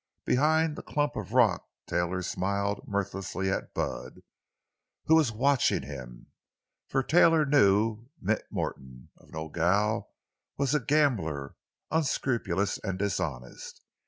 Behind the clump of rock Taylor smiled mirthlessly at Bud, who was watching him. For Taylor knew Mint Morton, of Nogel, as a gambler, unscrupulous and dishonest.